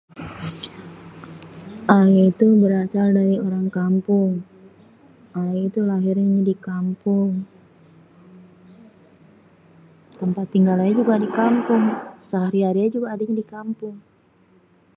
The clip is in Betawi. Ayé tuh berasal dari orang kampung. Ayé tuh lahirnye di kampung. Tempat tinggal ayé juga di kampung. Sehari-hari ayé juga adenye di kampung.